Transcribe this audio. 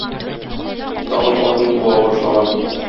Тагын атын куа башлаган.